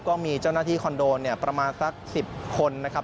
ก็มีเจ้าหน้าที่คอนโดเนี่ยประมาณสัก๑๐คนนะครับ